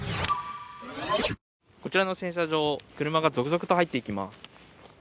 こちらの洗車場、車が続々と入っていきます。